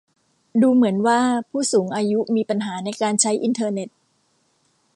ดูเหมือนว่าผู้สูงอายุมีปัญหาในการใช้อินเทอร์เน็ต